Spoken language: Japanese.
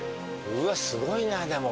うわっすごいなでも。